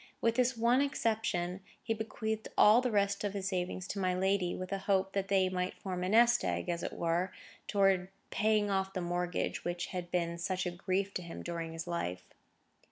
With this one exception, he bequeathed all the rest of his savings to my lady, with a hope that they might form a nest egg, as it were, towards the paying off of the mortgage which had been such a grief to him during his life.